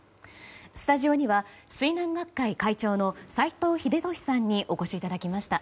スタジオには水難学会会長の斎藤秀俊さんにお越しいただきました。